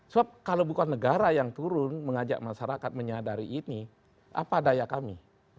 sebab kalau bukan negara yang turun mengajak masyarakat menyadari ini apa daya kami